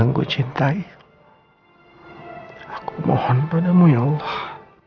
yang ku cintai dan aku mohon padamu ya allah